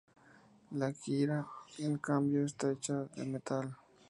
La güira en cambio está hecha de metal.